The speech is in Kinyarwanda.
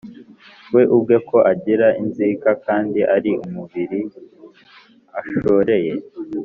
We ubwe, ko agira inzika, kandi ari umubiri ashoreye,